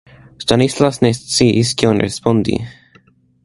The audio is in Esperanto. Stanislas ne sciis, kion respondi.